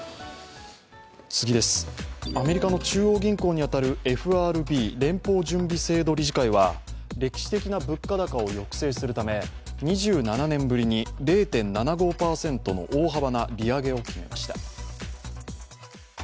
アメリカの中央銀行に当たるＦＲＢ＝連邦準備制度理事会は歴史的な物価高を抑制するため２７年ぶりに０．７５％の大幅な利上げを決めました。